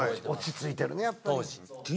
落ち着いてるねやっぱり。